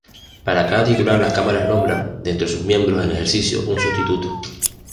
Para cada titular las Cámaras nombran, de entre sus miembros en ejercicio, un sustituto.